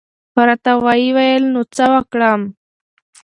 را ته وې ویل نو څه وکړم؟